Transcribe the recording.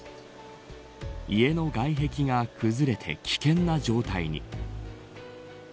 家の外壁が崩れて危険な状態に。